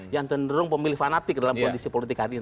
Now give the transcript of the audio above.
yang cenderung pemilih fanatik dalam kondisi politik hari ini